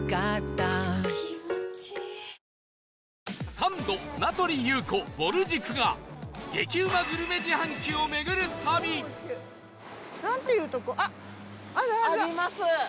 サンド名取裕子ぼる塾が激うまグルメ自販機を巡る旅あります！